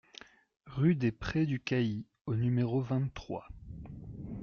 Rue des Prés du Cailly au numéro vingt-trois